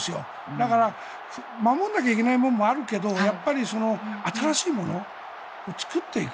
だから、守らなきゃいけないものもあるけど新しいものを作っていく。